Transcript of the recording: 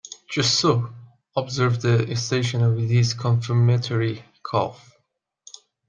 "Just so," observes the stationer with his confirmatory cough.